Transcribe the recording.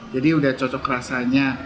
jadi sudah cocok rasanya